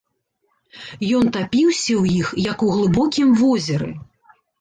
Ён тапіўся ў іх, як у глыбокім возеры.